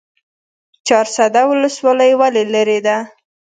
چهارسده ولسوالۍ ولې لیرې ده؟